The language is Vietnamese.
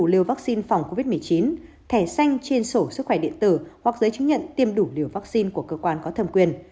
liều vaccine phòng covid một mươi chín thẻ xanh trên sổ sức khỏe điện tử hoặc giấy chứng nhận tiêm đủ liều vaccine của cơ quan có thẩm quyền